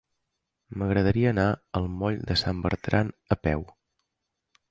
M'agradaria anar al moll de Sant Bertran a peu.